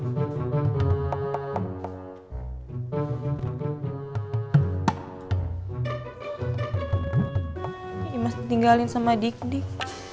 mas tinggalin sama dik dik